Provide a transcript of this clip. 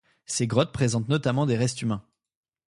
Ces grottes présentent notamment des restes humains.